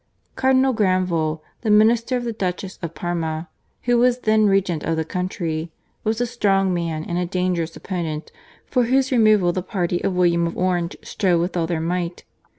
Cardinal Granvelle, the minister of the Duchess of Parma, who was then regent of the country, was a strong man and a dangerous opponent, for whose removal the party of William of Orange strove with all their might.